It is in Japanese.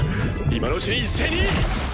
今のうちに一斉に。